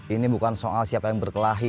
ini bukan soal siapa yang berkelahi